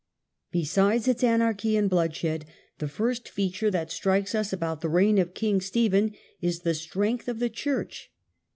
Besides its anarchy and bloodshed, the first feature that strikes us about the reign of King Stephen is the strength of the church.